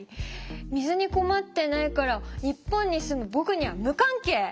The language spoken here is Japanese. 水に困ってないから日本に住むボクには無関係！？